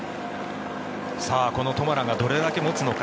このトマラがどれだけ持つのか。